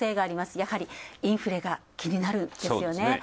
やはり、インフレが気になるんですよね。